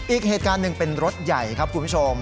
อีกเหตุการณ์หนึ่งเป็นรถใหญ่ครับคุณผู้ชม